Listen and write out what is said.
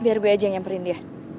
biar gue aja yang nyamperin dia